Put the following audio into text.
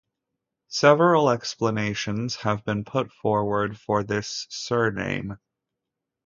Several explanations have been put forward for this surname.